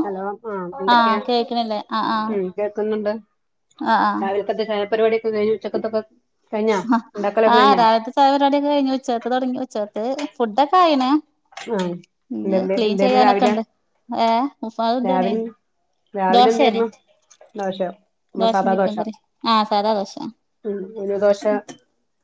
Hello ആഹ് എന്തൊക്കെയാ കേക്കണില്ലേ ആഹ് ആഹ് ഉം കേക്കുന്നുണ്ട് ആഹ് ആഹ് രാവില്ത്തെക് ചായ പരിപാടിഓക്കെ കഴിഞ്ഞു ഉച്ചക്കത്തക്ക് കഴ്ഞ്ഞ ഇണ്ടാക്കലൊക്കേ കഴ്ഞ്ഞ ചായപരിവാടികെ കഴിഞ് ഉച്ചകത്ത് തൊടങ്ങി ഉച്ചകത്ത് ഫുഡൊക്കെ ആയിന് ആഹ് ന് എന്തെന്ത് ക്ലീൻ എന്തായിരുന്നു രാവിലെ ചെയ്യാനൊക്കെണ്ട് ഏഹ് ഉൾ ഫഗംത്ന്നെ രാവിലെ രാവിലെ ദോശേണ് എന്തായിരുന്നു ദോശ നമ്മളെ ദോശിം സാദാ ദോശ ചിക്കൻകറിം ആഹ് സാദാ ദോശ ഉം [unintelligible] ദോശ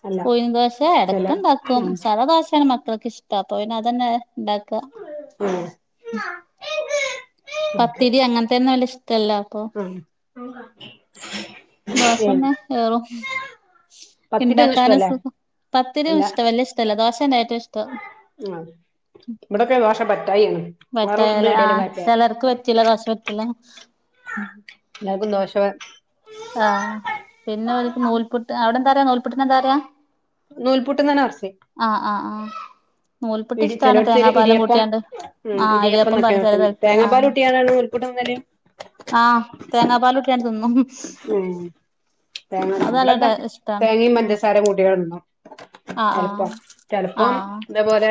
അല്ല ഉഴുന്ന്ദോശ ചില എടക്ക് ഇണ്ടാക്കും ഉം സാദാദോശേണ് മക്കൾക്ക് ഇഷ്ടം അപ്പപിന്നെ അതന്നെ ഇണ്ടാക്ക ഉം പത്തിരി അങ്ങനത്തെന്നും വല്യ ഇഷ്ട്ടല്ല്യ ഹം ദോശന്നെ ഏറും പത്തിരി ഒന്നും ഇണ്ടാക്കാനും ഇഷ്ടല്ലേ സുഖം അല്ല പത്തിരിന്നു ഇഷ്ട വല്യഷ്ടല്ല ദോശേന്നെറ്റവും ഇഷ്ടം ആഹ് ഇവിടൊക്കെ ദോശ പറ്റായിയാണ് വേറെന്ത് [unintelligible] കടിയാലും ആഹ് പറ്റാ ചെലർക്ക് പ ചില ദോശ റ്റുല്ല എല്ലാര്ക്കും ദോഷവേ ആഹ് പിന്നോർക്ക് നൂൽപുട്ട് അവിടെ എന്താറിയ നൂൽപുട്ടിന് എന്താപറയാ നൂൽപൂട്ട്ന്നെന്നെ [unintelligible] ആഹ് ആഹ് ആഹ് നൂൽപുട്ട് ഇടി ഇഷ്ടാണ് ചെലൊർത്തിരി തേങ്ങാപ്പാലും ഇടിയപ്പം കൂട്ടിയാണ്ട് ഉം ആഹ് ഇടിയപ്പം ന്നൊക്കെ പറഞ്ഞ് ചെല സ്ഥലത്ത് ആഹ് തേങ്ങാപ്പാലൂട്ട്യാണ്ട് ആണ് നൂൽ പുട്ട് ന്നല് ആഹ് തേങ്ങാപാലൂട്ടിയാണ്ട് തിന്നും ഉം തേങ്ങ അത് നല്ല ടേ വിടൊക്കോ ഇഷ്ടാണ് തേങ്ങിം ഉം പഞ്ചസാര കൂട്ടികാട്ന്നും ആഹ് ആഹ് ചെലപ്പോ ചെലപ്പം ആഹ് ഇതേപോലെ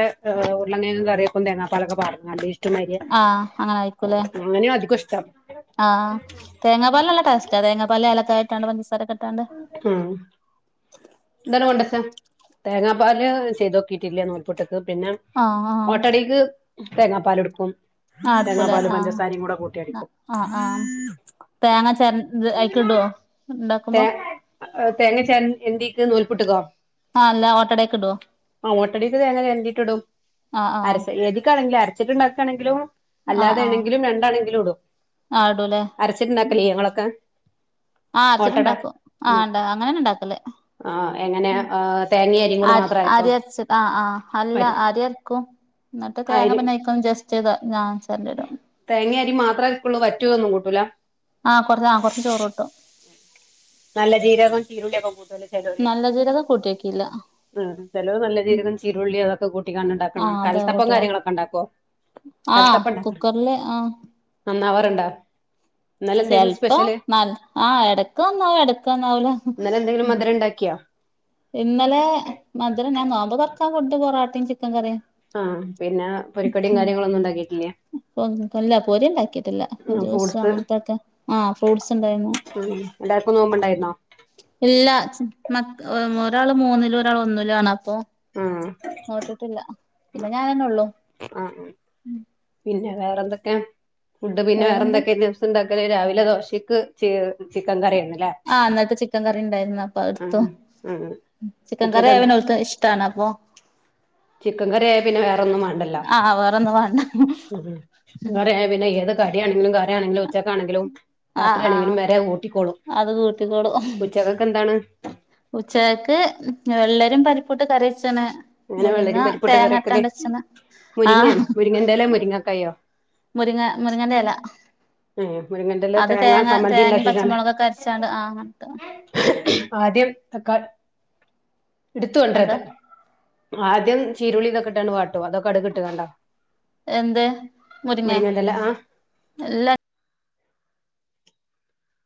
ഉർലങ്ങേങ് കറിയെക്കും തേങ്ങാപ്പാലൊക്കെ പാർന്ന്കാണ്ട് റ്റ് മാരിയാ ആഹ് അങ്ങനെ ആയിരിക്കൂല്ലേ അങ്ങനെയ അധികുഇഷ്ട്ടം ആഹ് തേങ്ങപാല് നല്ലടേസ്റ്റാ തേങ്ങാപ്പാല് അലക്കയ ഇട്ട്കാണ്ട് പഞ്ചസാരൊക്കെ ഇട്ടാണ്ട് ഉം ഇതട് കൊണ്ടച്ച തേങ്ങാപ്പാല് ചെയ്തൊക്കിറ്റില്ല നൂൽപുട്ട്ക്ക് പിന്നെ ആഹ് ആഹ് ഓട്ടടിക്ക് തേങ്ങാപാല്ടുക്കും ആ എടുക്കൂലേ തേങ്ങാപാലും പഞ്ചസാരിം കൂടെ ആഹ് കൂട്ടിയടിക്കും ആഹ് ആഹ് തേങ്ങ ചെരണ്ട് അയിക്ക് ഇടോ തേ ഇണ്ടാക്കുമ്പോ അഹ് തേങ്ങ ചേര് എന്തി എഹ് നൂൽപുട്ട്ക്കോ ആ അല്ല ഓട്ടടെക് ഇടോ ആഹ് ഓട്ടടിക്ക് തേങ്ങ ചെര്ന്റ്റിട്ട്ടും ആഹ് ആഹ് അരച്ച് ഏതികാണെങ്കില് അര ച്ചിട്ടണ്ടാക്കണെങ്കിലും ആഹ് ആഹ് അല്ലാതെണെങ്കിലും രണ്ടാണെങ്കിലുടും ആ ഇടൂലേ അരച്ചിട്ടുണ്ടാക്കലില്ലേ ഇങ്ങളൊക്കെ ഓട്ടട ഉം ആഹ്ണ്ടാ അങ്ങനെന്ന ഇണ്ടാക്കല് ആ എങ്ങനെ ഉം തേങ്ങയും അരിയും കൂടെ അ മാത്രം അരക്കോ അരി അരച്ചതാ ആഹ് ആഹ് അല്ല പറ്റും അരിയർക്കും ന്നിട്ട് തേങ്ങാ അരി പിന്നയ്ക്ക്ന്ന് ജസ്റ്റ് ത ഞാചേര്ണ്ടിടും തേങ്ങി അരിം മാത്രേര്ക്കുള്ളു വറ്റുതൊന്നും കൂട്ടൂല ആഹ് കൊറ കൊറ്ച്ച് ചോറൂട്ടും നല്ലജീരകും ചീരുള്ളിയൊകൊ കൂട്ടോലോ നല്ലജീരകം കൂട്ട്യോക്കില്ല ഉം ചേലോര് നല്ലജീരകും ചീരുള്ളി അതൊക്കെ കൂട്ടിക്കാണ്ട്ഇണ്ടാക്ണാണ ആഹ് അതാ കൽത്തപ്പം കൂട്ടി നോ കാര്യങ്ങളൊക്കെ ഇണ്ടാക്കോ ആഹ് കുക്കറ്ല് ആഹ് നന്നാവാറ്ണ്ടോ ചെൽപ്പോ നല് ആ എടക്ക് നന്നാവും എടക്ക്ന്നാവൂല ഇന്നലെ എന്തങ്കിലും മധുരംണ്ടാക്കിയാ ഇന്നലെ മധുരം ഞാൻ നോമ്പ് തുറക്കാം ഫുഡ്ഡ് പൊറാട്ടിം ചിക്കൻ കറിം ആഹ് പിന്നെ പൊരിക്കടി കാര്യങ്ങളൊന്നും ഇണ്ടാക്കിട്ടില്ലെ പോം ല്ല പൊരിണ്ടാക്കിട്ടില്ല ജ്യൂസ് ഫ്രൂട്ട്സ് അങ്ങനത്തെക്കെ ആഹ് ഫ്രൂട്ട്സ് ഇണ്ടായിന്നു ഉം എല്ലാർക്കും നോമ്പ് ണ്ടായിര്ന്നോ ഇല്ല മക് ഒരാള് മൂന്നിലും ഒരാള് ഒന്നിലും ആണ് അപ്പോ ആഹ് നോറ്റിട്ടില്ല പിന്നെ ഞാനെന്നെള്ളൂ ആഹ് ആഹ് പിന്നെ വേറന്തൊക്കെ ഫുഡ്ഡ് പിന്നെ വേറെന്താ വേറെന്തൊക്കെര്ന്നു ണ്ടാക്കല് രാവിലെ ദോശക്ക് ചി ചിക്കൻ കറിര്ന്നൂല്ലേ ആഹ് ഇന്നൽത്തെ ചിക്കൻ കറി ഇണ്ടായിരുന്നു അപ്പൊ അത്ട്ത്തു ആഹ് ചിക്കൻ കറി ഉച്ചക്ക് ആയ പിന്നോല്ക് ഇശ് ട്ടാണപ്പോ ചിക്കൻ കറിയായ പിന്നെ വേറൊന്നും വേണ്ടല്ലോ ആ വേറൊന്നും വേണ്ട ഉം ചിക്കൻ കറിയായ പിന്നെ ഏതൊക്കെ കഡ്യാണെങ്കിലും കറി ആണങ്കിലും ഉച്ചക്കാണെങ്കിലും ആ ആ രാത്രിയാണെങ്കിലും വരെ ഊട്ടിക്കോളും അത് ഉച്ചക്കക് എന്താണ് ഉച്ചകക്ക് വെള്ളരീം പരിപ്പൂട്ട് കറിവച്ണ് എങ്ങനെ വെള്ളരീം പരിപ്പൊട്ട് കറിക്കല് മുരിങ്ങ ആഹ് മുരിങ്ങന്റെല മുരിങ്ങക്കായോ മുരിങ്ങ മുരിങ്ങന്റെല ഏഹ് മുരിങ്ങന്റെല അത് തേങ്ങാ തേങ്ങ ചമ്മന്തി തേങ്ങി ഉണ്ടാക്കിക്കാണ്ട് പച്ചമുളകൊക്കെ അരച്ചാണ്ട് ആഹ് അങ്ങനട്ട് ആദ്യം തക്കളി ഇടുത് കൊണ്ടരത് എന്താ ആദ്യം ചീരുളിതോ ക്കെട്ടാണ്ട് വാട്ടോ അതൊക്കെ കട്കിട്ട്ങ്ങാണ്ടോ എന്ത് മുരിങ്ങന്റല ആഹ് എല്ല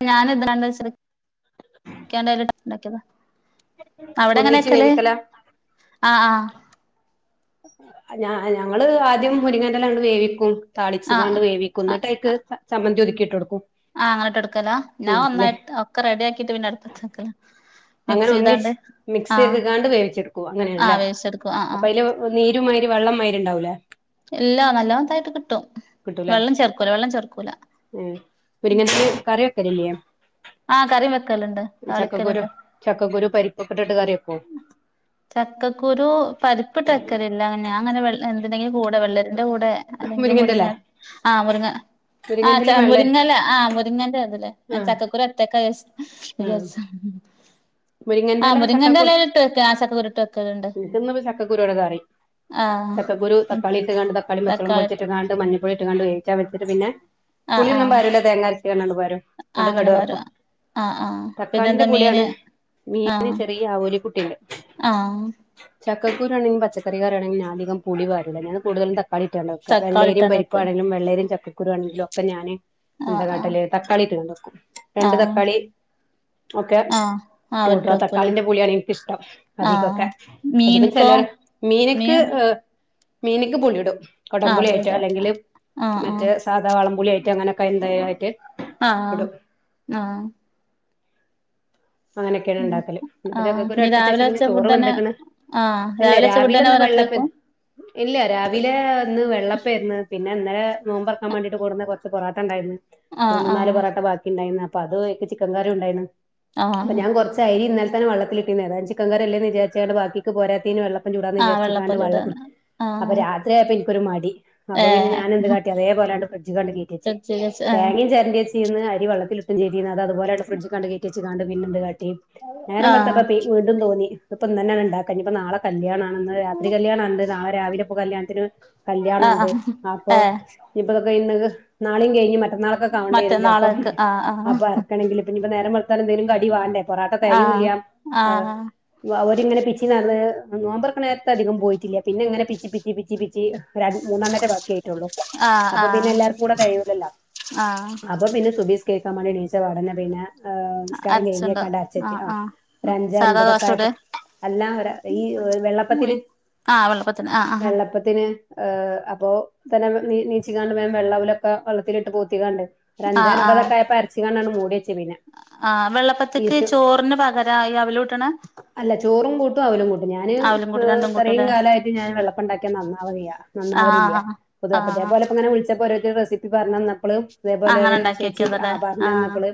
ഞാൻഎന്തിനാണ് വെച്ചാല് ഇക്കാന്റെ [unintelligible] അവിടെ എങ്ങനെ ഒന്നിച്ച് വെക്കല് വേവിക്കലാ ആഹ് ആഹ് ഞ ഞങ്ങള് ആദ്യം മുരിങ്ങന്റലാണ്ട് വേവിക്കും ആഹ് താളിച്ങ്ങാണ്ട് വേവിക്കും ക്കും ആഹ് ഇന്നിട്ടയ്ക്ക് ചമ്മന്തി ഒതുക്കിട്ടോടുക്കും ആഹ് അങ്ങന ഇട്ട് എടുക്കലാ ഞാൻ ഒന്നായിട്ട് ഒക്കെ റെഡി ആക്കിട്ട് പിന്നെ അടുപ്പത്ത് വെക്കല അങ്ങനെ ഒന്നിച്ച് മിക്സ് ചെയ്താണ്ട് വേവിച്ചെടുക്കു ആഹ് അങ്ങനെയണല്ലേ വേവിച്ചെടുക്കും ആഹ് അപ്പ ആഹ് അയ്ല് നീരുമാരി വള്ളമാരിണ്ടാവൂലേ ഇല്ലാ നല്ലാമത്തായിട്ട് കിട്ടും കിട്ടൂലേ വെള്ളം ചേർക്കൂല വെള്ളം ചേർക്കൂല ഉം മുരിങ്ങന്റല് കറിവെ ക്കലില്ലേ ആഹ് കറി വെക്കലുണ്ട് താളിക്കലുണ്ട് ചക്കക്കുരു പരിപ്പോക്കെട്ടിട്ട് കറിവെക്കോ ചക്കക്കുരു പരിപ്പ് ട്ട് വെക്കലില്ല ഞാൻങ്ങനെ എന്തിന്റെങ്കിലും കൂടെ വെള്ളരിന്റെ കൂടെ അല്ലെങ്കി മുരിങ്ങന്റെല മുരിങ്ങ ആഹ് മുരിങ്ങ ആഹ് മുരിങ്ങന്റെലിം വെള്ളേം മുരിങ്ങല ആഹ് മുരിങ്ങന്റതല്ഞാൻ ആഹ് ചക്കക്കുരു ഒറ്റക്ക വിചാരിച്ചു ഉം വിചാരിച്ചു ആഹ് മുരിങ്ങന്റെല മുറിങ്ങന്റെലീൽ ഇട്ട് വെക്ക ആഹ് ചക്കക്കുരു ഇട്ട് വെക്കല്ണ്ട് ഇന്ക്ക് ഇന്ന് ചക്കക്കുരുട കറി ആഹ് ചക്കക്കുരു തക്കാളിയിട്ട്ങ്ങാണ്ട് തക്കാളി പച്ചോളകും തക്കാളിട്ട് പൊളിച്ചിട്ട്ങ്ങാണ്ട് മഞ്ഞപ്പൊടി ഇട്ട് ങ്ങാണ്ട് വേവിച്ചാ വച്ചിട്ട് പിന്നെ ആഹ് പുളിഒന്നും ആഹ് വരിഇഡലില്ല തേങ്ങാരച്ങ്ങാണ്ട്പാരും ആഹ് ഇന്നിട്ട് അങ്ങനെ പാരും കട്കർക്കും ആഹ് ആഹ് പിന്നെന്താ മീന് മീന് ആഹ് ചെറിയ ആവോലി കുട്ടിണ്ട് ആഹ് ചക്കക്കുരു ആണെങ്കി പച്ചക്കറികറിയങ്കിലുംഞാൻ അധികം പുളിവരിയടൂല്ല ഞാൻ കൂടുതലുംതക് തകാളിട്ടാണ്ട തക്കാളി വെള്ളേരി ഇട്ടാണ്ട് വെക്കുവല്ലോ പരിപ്പാണെങ്കില വള്ളരി ചക്കക്കുരു ആണെങ്കിലോ ക്കെ ഞാന് എന്ത ആഹ് കാട്ടല്തക്കാളിട്ട്ങ്ങാണ്ട് വെക്കും രണ്ട് ആഹ് തക്കാളി ഓക്കെ ആഹ് ആഹ് ആഹ് വട്ട് കൂട്ടാ വെക്കൂല്ലേ തക്കാളിന്റെ പുളിയാണ് ഇനിക്കിഷ്ടം ആഹ് അധികൊക്കെ അധികം മീന്ക്കോ ചിലർ മീനിക്ക് മീൻ മീനിക്ക് പുളി ഇടും ആഹ് കുടംപുളിയ ആയിട്ടോ പുളിട അല്ലെങ്കിൽ ആഹ് ആഹ് മറ്റേ സാധാവാളംപുളിയായിട്ടോ അങ്ങനെയൊക്കെ എന്തായിട്ട് ആഹ് ഇടും ആഹ് അങ്ങനെയൊക്കെയാണ് ഉണ്ടാക്കല് ഒരു ചക്ക ആഹ് കുരു ഇനി അടുപ്പത്തു രാവിലെ വെച്ച്ക്കണ് വെച്ച ചോറ് ഫുഡന്നെ വെന്തുക്ണ് ആഹ് അല്ല രാവിലെ വെച്ച രാവില ഇന്ന് ഫുഡന്നെ രാത്രി വെള്ളപ്പ വെക്കും ഇല്ല രാവിലെ ഇന്ന് വെള്ളപ്പായിരുന്നു പിന്നെ ഇന്നലെ നോമ്പറക്കാൻ വേണ്ടിട്ട് കൊണ്ടുവന്ന കൊറച്ച് പൊറാട്ട ഇണ്ടായിരുന്ന് ഒരു ആഹ് മൂന്നാല് ആഹ് പൊറട്ട ബാക്കി ഉണ്ടായിന്ന് അപ്പൊ അതിക് ചിക്കൻ കറിയും ഉണ്ടായിന്ന് അപ്പ ആഹ് ഞൻ കുറച്ച അരി ഇന്നലെ തന്നെ വെള്ളത്തിലിട്ടീനു ഏതായാലും ചിക്കൻ കറിയല്ലേ വിചാരിച്ചണ്ട് ബാക്കിക്ക് പോരാത്തിന് വള്ള- അപ്പ ചൂടാന്ന് ആഹ് വിചരിച്ക്കാണ്ട് വെള്ളപ്പം വെള്ളത്തി ചുടാന് അപ്പൊ ആഹ് രാത്രിയായപ്പ ഇൻക്കൊരു മടി അപ്പൊ പിന്നെ ഏഹ് ഞാനെന്ത് കാട്ടി അതേപോലാണ്ട് ഫ്രിഡ്ജ് കണ്ട് കേറ്റേച്ചി ഫ്രിഡ്ജിൽ വെച്ച് ആഹ് തേങ്ങയും ചേരണ്ടച്ചി- ചീന്ന് അരി വെള്ളത്തിലിട്ടു ചെയ്തിന് അതുപോലങ്ങട്ട് ഫ്രഡ്ജ് കണ്ട് കയറ്റിവെച്ച് ക്കാണ്ട് പിന്നെന്ത് കാട്ടി നേരം ആഹ് വെൾത്തപ്പപ്പീ വീണ്ടും തോന്നി ഇപ്പൊഇന്നെനാണോ ണ്ടാക്ക ഇപ്പം നാളെ കല്യാണാണ് ഇന്ന് രാത്രി കല്യാണണ്ട് നാളെ രാവിലെ ഇപ്പോ കല്യാണത്തിന് ആഹ് കല്യാണണ്ട് അപ്പൊ ഏഹ് ഇപ്പതൊക്കെ നാളെയും കഴിഞ്ഞ് മറ്റന്നാളൊക്കെ ആവേണ്ടി വരും ചെലപ്പോ മറ്റന്നാളേക്ക് ആഹ് അപ്പൊ ആഹ് അരക്കണെങ്കിൽ ഇനിയിപ്പോ നേരം വെളുത്താൽ എന്തെങ്കിലും കടി വാണ്ടേ പൊറാട്ട ആഹ് തയയുല്ല ഏഹ് ആഹ് അവരിങ്ങനെ പിച്ചി നടന്ന് നോമ്പർകണ നേരത്ത് അധികം പോയിട്ടില്ല പിന്നെ ഇങ്ങനെ പിച്ചി പിച്ചി പിച്ചി മൂന്നണ്ണേറ്റെ ബാക്യായി ട്ടൊള്ളൂ ആഹ് അപ്പൊ പിന്നെ ആഹ് എല്ലർക്കും കൂടെ തഴുലല്ലോ ആഹ് അപ്പൊ പിന്നെ സുബ കേരിക്കാൻ മാണ്ടി നീച്ചപാടന്നെ പിന്നെ ഏഹ് നമസ്കാരം അരച്ചുണ്ടാവും കഴിഞ്ഞേക്കാണ്ട് അരച്ചത്തി ആഹ് ആ ആഹ് ഒരു അഞ്ച് സാധാ അമ്പതൊക്കെ ദോശ ചുട ആയപ്പോ അല്ല ഒരാ ഈ വെള്ളപ്പത്തിന് ആഹ് വെള്ളപ്പത്തിന് ആഹ് ആഹ് വെള്ളപ്പ ത്തിന് അപ്പോ തന്ന നീച്കാണ്ട് വേം വെള്ളവിലൊക്കെ വെള്ളത്തിലിട്ട് പോത്തിക്കാണ്ട് ഒരഞ്ച ആഹ് ആഹ് അൻപതൊക്കെ ആയപ്പോ അരച്ച്കാണ്ട് അങ്ങട്ട് മൂടിവെച്ചു പിന്നെ ആഹ് വെള്ളപ്പത്തിക്ക് ഈസ്റ്റ് ചോറിന് പകരായി അവലൂട്ടണ അല്ല ചോറും കൂട്ടും അവലും കൂട്ടും ഞാന് കൂട്ടും രണ്ടും ഇത്രയും കൂട്ടുംല്ലേ കാലായിട്ട് ഞാൻ വെള്ളപ്പുണ്ടാക്കിയ നന്നാവലില്ല നന്നാവലില്ല ആഹ് പൊതുവെ ആഹ് അതേപൊലെപ്പങ്ങനെ വിളിച്ചപ്പോ ഓരോര്ത്തര് റെസിപ്പി പറഞ്ഞന്നപ്പള് അതേപോലെ അങ്ങനെ ഒരു ഉണ്ടാക്കി ചേച്ചി നോക്കിയതല്ലേ പറഞ്ഞു ആഹ് തന്നപ്പോള്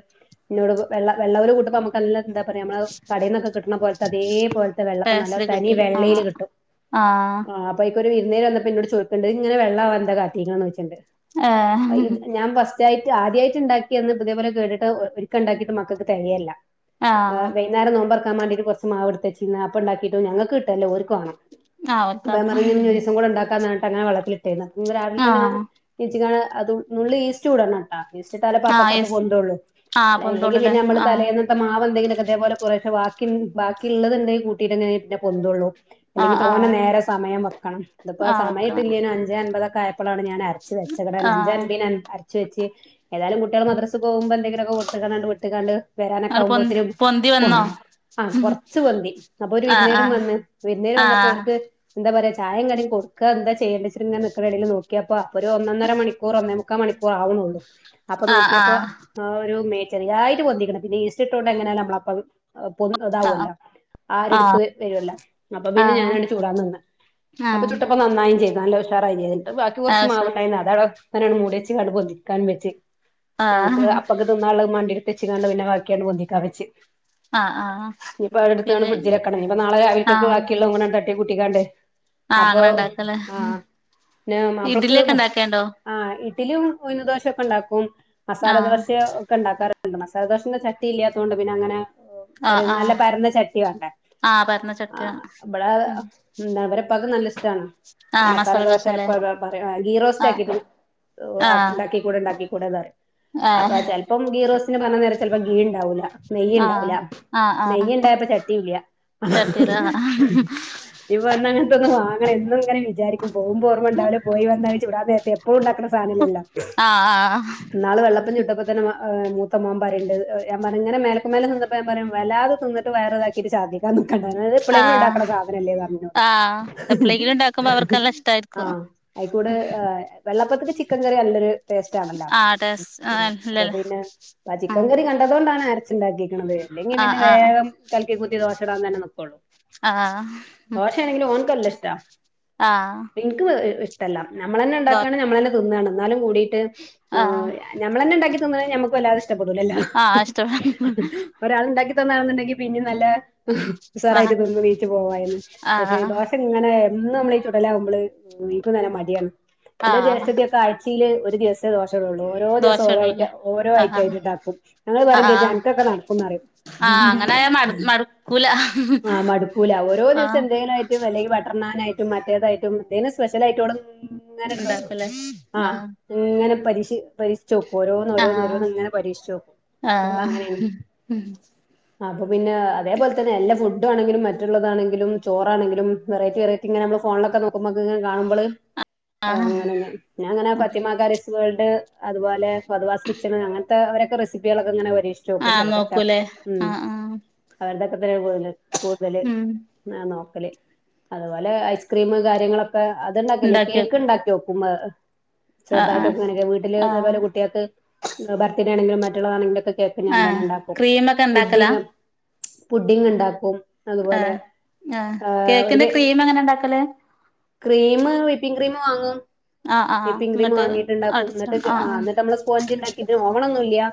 ഇന്നോട് വെള്ള വെള്ളവൽ കൂട്ടുമ്പ നമുക് എന്താ പറയാ നമ്മ കടയിന്നൊക്കെ കിട്ടണ പോലത്തെ അതേപലത്തെ വെള്ളപ്പ നല്ല പേസല് തനി കിട്ടൂല വെള്ളയിൽ ആഹ് കിട്ടും ആഹ് അപ്പയ്ക്ക് ഒരു വിരുന്നേര് വന്നപ്പെന്നോട് ചോയ്ക്കണ്ട് ഇങ്ങനെ വെള്ള വാനെന്താ കാട്ടീക്കണത് ത് ഏഹ് ഞാൻ ഫസ്റ്റ് ആയിട്ട് ആദ്യയിട്ട് ഇണ്ടാക്കിന്ന് ഇപ്പോ ഇതെപ്പോലെ കേട്ടിട്ട് ഒരിക്ക ഉണ്ടാക്കിട്ട് മക്കക്ക് തെകയില്ല ആ വേ ആഹ് വൈയ്ന്നേരം നോമ്പറക്കാൻ വേണ്ടിട്ട് കുറച്ച് മാവ് എടുത്ത് വെച്ചീനു അപ്പ ഉണ്ടാക്കിട്ട ഞങ്ങക്ക് കിട്ടണ്ടേ ഒൽ- ആഹ് അപ്പ ഞാൻ ഓൽക്കത്ര പറഞ്ഞ് ഒരീസം കൂടെ ഉണ്ടാക്കാം എന്ന് പറഞ്ഞ്ട്ട് അങ്ങനെ വള്ളത്തിലിട്ടേരുന്ന് രാവിലെ തന്നെ ആ ആഹ് കു ഇച്ച്കാ അത് നുള്ള് ഈസ്റ്റുടണം ആഹ് ഈസ്റ്റ്ട്ടാലേ അപ്പ ആഹ് അപ്പൊക്കപ്പൊ യെസ് പൊന്തുള്ളൂ ആഹ് അല്ല അല്ലെങ്കി പൊന്തോള്ളുല്ലേ പിന്നെമ്മള് ആഹ് അങ്ങനത്തെ മാവ എന്തെങ്കിലുംക്കെ അതേപോലെ കുറേശെ ബ ബാക്കി ഉള്ളത്ണ്ടെങ്ക കൂട്ടിയിട്ട എങ്ങനെ പിന്നെ പൊന്തള്ളൂ ആഹ് അല്ലെങ്കി തോന്നെ ആഹ് നേരെ സമയ വെക്കണം ഇതിപ്പോ ആഹ് വെക്കണം സമയട്ടില്ലേും അഞ്ചേ അൻപതൊക്കെ ആയപ്പോഴാണ് ഞാനര അരച്ചു വെച്ചേകണന്നെ അഞ്ചെ ആഹ് അമ്പ- ച്ച് വെച്ച് ഏതായാലും കുട്യാൾ മദ്രസ് പ്പോവുമ്പോ എന്തെങ്കിലൊക്കെ കൊട്ത്ത്ക്ക്ണാണ്ട് വിട്ട്കാണ്ട് ഇങ്ങട് പൊന്തി വരാനൊക്കാവുമ്പോത്തിനും പൊന്തി പോ വന്നോ ആഹ് കൊറച്ച് പൊന്തി അപ്പൊ ഒരു ആഹ് വിരുന്നേരം ആഹ് വന്ന് വിരുന്നേരം വന്നപ്പോ ഓൽക്ക് എന്താ പറയാ ചായം കടിയും കൊടുക എന്താ ചെയ്യണ്ടിരിങ്ങന നിൽക്കണെങ്ക നോക്കിയപ്പോ ഒന്നൊന്നര മണിക്കൂർ ഒന്നേ ക്ക മണിക്കൂർ ആവുന്നുള്ളൂ അപ്പൊ ആഹ് നോക്കിയപ്പോ ആഹ് ഒരു ചെറിയായിട്ട് പൊന്തീക്ണു പിന്നെ ഈസ്റ്റ് ഇട്ടൊണ്ട് എങ്ങനെയ നമ്മളപ്പ ആഹ് ഇതാവുല്ലോ ആരെടുത്ത് ആഹ് വരുവല്ലോ അപ്പൊ പിന്നെ ആഹ് ഞാനങ്ങ് ചൂടാ നിന്ന് ആഹ് ഇപ്പ നന്നായിൻ ചെയ്ത് നല്ലുഷാറായി ചെയ്തിട്ട് ബാക്കി കുറച്ച് അത് ശരി മാവുണ്ടായി അത അങ്ങനാണ് മൂടിയേച്ചകൊണ്ട് പൊതിക്കാൻ വെച്ച് ഞങ്ങക്ക് ആഹ് അപ്പൊക്ക് തിന്നാനുള്ള മാണ്ടി എടുത്തുവെച്ചുകാണ്ട് പിന്നെ ബാക്കി അന്ന് പൊന്തിക്കാൻ വെച്ചു ആഹ് ആഹ് ഇനിയിപ്പോ അത് എടുത്തുകാണ്ട് പിന്നെ ഫ്രഡ്ജിലെക്കണം ഇനിയിപ്പോ നാളെ രാവിൽകക്ക് ആഹ് ബാക്കിയുള്ളതൂടെ തട്ടി- കുട്ടിക്കാണ്ട് ആഹ് അപ്പൊ അങ്ങനെ ഇണ്ടാക്കല്ലേ ആഹ ന്നെ മാപ്പൾക്ക് ഇഡ്ലിയൊക്കെ ഇണ്ടാക്കേണ്ടോ ആഹ് ഇട്ടിലിയും ഉഴ്ന്ന് ദോശൊക്കെ ണ്ടാക്കും ആഹ് മസാലദോശ്യോ ഒക്കെ ണ്ടാക്കാറ്ണ്ട് മസാലദോശന്റെ ച ട്ടി ഇല്ലാത്തോണ്ട് പിന്നെ അങ്ങനെ ആഹ് ചെറിയ നല്ല ആഹ് പരന്ന ചട്ടി വേണ്ടേ ആഹ് പരന്ന ആ ചട്ടിയ ഇബടെ ഉം എന്താ വരെപ്പക്ക് നല്ല ഇഷ്ടണ് ആഹ് മസാല മസാലദോശ ദോശല്ലേ എപ്പ പറയാ ഗീറോസ്റ്റ് ആഹ് ആക്കിട്ടും ആഹ് ണ്ടാക്കി കൂടെ ണ്ടാക്കി കൂ കൂട താറി അപ്പൊ ആഹ് ചെൽപ്പം ഗീ റോസ്റ്റിന് പർണ നേരം ചെലപ്പോ ഗീ ണ്ടാവുല നെയ്യ് ആഹ് ണ്ടാവൂല ആഹ് ആഹ് നെയ്യ ഇണ്ടായപ്പ ചട്ടിഉല്ല്യ അഹ് ചട്ടിയില് ആഹ് ഞ്ഞിപൊന്ന് അങ്ങൻത്തെന്ന് വങ്ങണം എന്നു ങ്ങനെ വിചാരിക്കും പോമ്പോ ഓർമ്മ ണ്ടാവുല പോയി വന്ന അഹ് ചുടാനേര്തെ പ്പോൾ ണ്ടാക്ണ സാനല്ലല്ല ആഹ് ആഹ് ന്നാള് വെള്ളപ്പം ചുട്ടപ്പ തന്നെ മൂത്ത മോ പറയിണ്ട് ഞൻ പറ ഇങ്ങന മേൽക്കുമേലെ ന്നപ്പോ ഞാൻ പറയ വല്ലാതെ തിന്ന്ട്ട് വയറ് താ ന്ന്ട്ട് ഛർദിക്കാ നിക്കണ്ട ഇത് എപളെങ്കിലു ആഹ് ണ്ടാക്കണ സാധനല്ലേ പറഞ്ഞുന്നോട്‌ ആഹ് എപ്പളെങ്കിലും ഉണ്ടാക്കുമ്പോ അവർക്ക് നല്ല ഇഷ്ടായിരിക്കും ആഹ ആയിക്കൂടെ വെള്ളപ്പത്തിന് ചിക്കൻ കറി നല്ലൊരു ടേസ്റ്റ് ആണല്ലോ [unintelligible] പ ചിക്കൻകറി ക ട്ടതൊണ്ടാണ് അരച്ച്ണ്ടാകീക്ണത് ഇല്ലെങ്കിപിന്നെ ആഹ് വേഗം കൽക്കി കുത്തി ദോശ ഇടാൻ തന്നെ നിക്കോള്ളൂ ആഹ് ആഹ് ഉം ദോശേണെങ്കിൽ ഓൻക് നല്ല ഇഷ്ടാ ആഹ് ഇൻക്ക് ഇഷ്ടല്ല ഞമ്മള് ന്നെ ദോ ണ്ടാക്കാണ് ഞമ്മളെന്നെ തിന്നാണ് ന്നാലും കൂടിട്ട് ആഹ് ഞമ്മളന്നെ ണ്ടാക്കിതിന്ന്ണെ ഞമ്മക്ക് വല്ലതെ ഇഷ്ട പെടൂലല്ലോ ആഹ് ഇഷ്ട്ടം ഒരാൾ ണ്ടാക്കി തന്നാണെന്ന്ണ്ടെങ്കി പിന്നി നല്ല ആഹ് ഉസാറായിറ്റ് തിന്ന് എണീറ്റ് പോവായിന്ന് പക്ഷെ ആഹ് ദോശ ഇങ്ങനെ എന്നും മ്മ്ളീ ചുടലാമ്പള് നീക്കും തന്നെ മടിയാണ് ന്റെ ആഹ് ജേഷ്ഠത്തി ഒക്കെ ആഴ്ച ത്തില് ഒരു ദിവസേ ദോശടുള്ളൂ ഓരോ ദിവസം ഓരോ ഐറ്റ ദോശകളല്ലേ ഓരോ ആഹ് ഐറ്റം ആയിട്ട് ണ്ടാക്കും പറയു ചെജ്ജും ആഹ് അൻക്കൊക്കെ നടക്കും ന്ന് പറയും ആഹ് അങ്ങനായ മടു മടുക്കൂല ആഹ മടുക്കൂല ഓരോ ആഹ് ദിവ്സം എന്തേ യിട്ടും ല്ലെങ്കി ബട്ടർ നായിട്ടും മറ്റേതായിട്ടും സ്പെഷ്യലായിട്ട് ഓള് ങ്ങനക് ഉണ്ടാക്കൂലേ ആഹ ആഹ് ഇങ്ങനെ പരീഷി പരിക്ഷിച്ച് ഓക്കും ഓരോന്ന് ഓരോന്ന് ആഹ് ഓരോന്ന് ഇങ്ങനെ പരീക്ഷച് നോക്കും ഓള് അങ്ങനെയാണ് ആഹ് അപ്പൊ പിന്നെ അതേപോലെ തന്നെ എല്ല ഫുഡ് ഡ് വേണെങ്കിലും മറ്റുള്ളതാണെങ്കിലും ചോറാണെങ്കിലും വെറൈറ്റി വെറൈറ്റി ങ്ങനെ അമ്മള് ഫോണിലക്കെ നോക്കുമ്പത് കാണുമ്പള് ആ ആഹ് അങ്ങന ഞാങ്ങനെ ഫത്തിമാക്കാരിസ് വേൾഡ് അതുപോലെ ഫെദുവാസ് കിച്ചണ് അങ്ങൻത്തെ ഓരൊക്കെ റെസിപ്പികളക്കെങ്ങനെ പരീക്ഷ ചോക്കും ആഹ് ചെലതൊക്കെ നോക്കൂലേ മ് ആഹ് ആഹ് അവരുതൊക്കെ തന്നെ കൂട്തല് ഉം ന്ന നോക്കല് അത്പോലെ ഐസ്ക്രീം കാര്യങ്ങളൊ അത്ണ്ടാക്കല്ല്യ ഉണ്ടാക്കി കേക്ക് വെക്കും ണ്ടാക്കിക്കോക്കു മഹ് ആഹ് ചെറുതായിട്ടൊക്കെ ങ്ങനെല്ല്യേ വീട്ടില് ആഹ് ആഹ് ഇതപോലെ കുട്ട്യേക്ക് ബർത്ത്ഡേ ആണെങ്കിലും മറ്റ്ള്ളതാണെങ്കിലുംക്കെ കേക്ക് ഞാൻ ആഹ് തന്നെ ണ്ടാക്കും ക്രീമൊക്കെ ഉണ്ടാക്കലാ പുഡിങ് പുഡിങ് ണ്ടാക്കും അത്പോലെ ആഹ് ആഹ് ആ ഒരു കേക്കിന്റെ വേ ക്രീം എങ്ങനെ ഉണ്ടാക്കല് ക്രീംമ് വിപ്പിംഗ് ക്രീംമ് വാങ്ങും ആഹ് ആഹ് ആഹ് വിപ്പിംഗ് ക്രീംമ് ഇങ്ങട്ട് വാങ്ങിട്ട്ണ്ടാക്കും അടിച്ച ന്ന്ട്ട് ആഹ് ന്ന്ട്ട് അമ്മള് സ്പോഞ്ച് ണ്ടാക്കിട്ട് ഓവണൊന്നുംല്ല്യ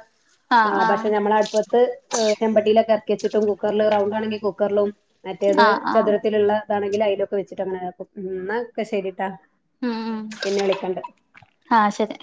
ആഹ് പക്ഷെ ഞമ്മളട്പ്പത്ത് ആഹ് ചെമ്പട്ടിലൊക്കെ എറക്കച്ചിട്ടും കുക്കർല് റൗണ്ട് ആണെങ്കി കുക്കർലും മറ്റേത് ആഹ് ആഹ് ചതുരത്തിലിള്ള താണെങ്കി അയ്ലൊക്കെ വെച്ചിട്ട് അങ്ങനെ ആക്കും എന്നാക്കെ ശെരീട്ടാ. ഉം പിന്നെ വിളിക്കണ്ട്. ആഹ് ശെരി.